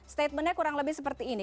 statementnya kurang lebih seperti ini